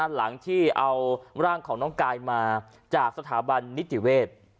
หลังที่เอาร่างของน้องกายมาจากสถาบันนิติเวศ